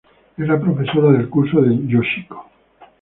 Es la profesora del curso de Yoshiko.